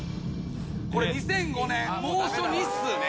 これ２００５年猛暑日数ね。